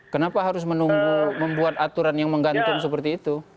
kenapa harus menunggu membuat aturan yang menggantung seperti itu